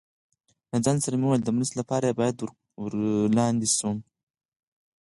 له ځان سره مې وویل، د مرستې لپاره یې باید ور کوز شم.